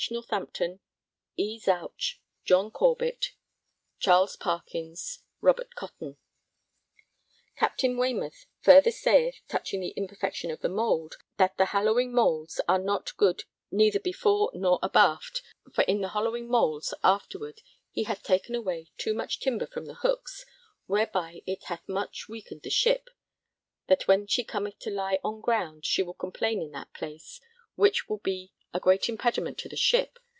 NORTHAMPTON. CH. PARKINS. E. ZOUCH. RO. COTTON. JOHN CORBETT. Cap^n. Waymouth further saith, touching the imperfection of the mould, that the Hollowing Moulds are not good neither before nor abaft, for in the Hollowing Moulds afterward he hath taken away too much timber from the hooks, whereby it hath much weakened the ship, that when she cometh to lie on ground she will complain in that place, which will be a great impediment to the ship.